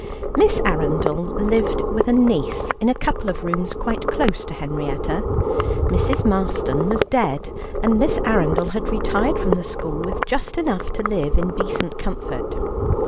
Miss Arundel lived with a niece in a couple of rooms quite close to Henrietta. Mrs. Marston was dead, and Miss Arundel had retired from the school with just enough to live in decent comfort.